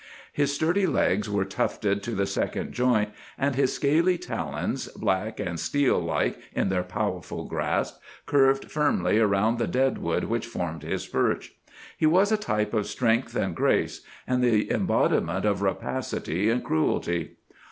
His sturdy legs were tufted to the second joint, and his scaly talons, black and steel like in their powerful grasp, curved firmly around the dead wood which formed his perch. He was a type of strength and grace, and the embodiment of rapacity and cruelty.